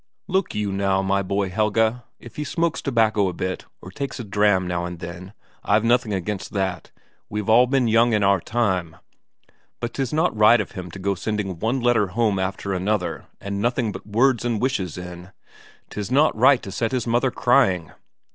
"Look you, now, my boy, Helge; if he smokes tobacco a bit, or takes a dram now and then, I've nothing against that, we've all been young in our time. But 'tis not right of him to go sending one letter home after another and nothing but words and wishes in. 'Tis not right to set his mother crying.